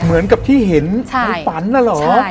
เหมือนกับที่เห็นเกิดฝันด่ะหรอ